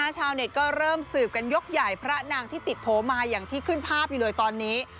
ชาวเน็ตก็เริ่มสืบกันยกใหญ่พระนางที่ติดโผล่มาอย่างที่ขึ้นภาพอยู่เลยตอนนี้